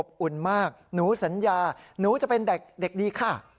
อุ่นมากหนูสัญญาหนูจะเป็นเด็กดีค่ะ